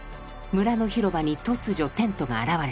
村の広場に突如テントが現れていた。